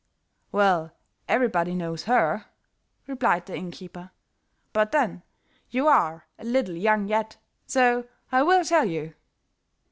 "Well, everybody knows her," replied the inn keeper; "but then, you are a little young yet, so I will tell you."